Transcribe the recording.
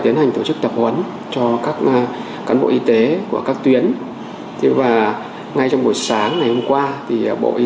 trường tập huấn cho các cán bộ y tế của các tuyến thì và ngay trong buổi sáng ngày hôm qua thì bộ y